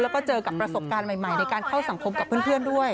แล้วก็เจอกับประสบการณ์ใหม่ในการเข้าสังคมกับเพื่อนด้วย